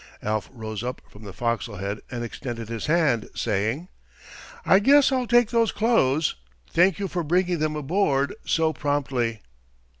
Alf rose up from the forecastle head and extended his hand, saying: "I guess I'll take those clothes. Thank you for bringing them aboard so promptly."